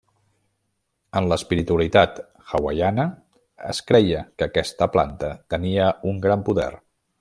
En l'espiritualitat hawaiana es creia que aquesta planta tenia un gran poder.